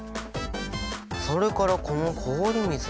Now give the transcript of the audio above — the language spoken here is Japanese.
それからこの氷水は。